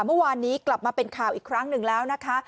เมื่อวานนี้กลับมาเป็นข่าวอีกครั้งหนึ่งแล้วนะคะ